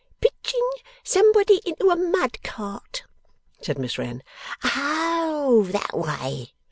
'Pitching somebody into a mud cart,' said Miss Wren. 'Oh! That way!